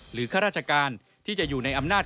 ข้าราชการที่จะอยู่ในอำนาจ